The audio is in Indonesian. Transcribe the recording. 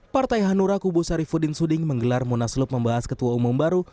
partai hanura kubu sarifudin suding menggelar munaslup membahas ketua umum baru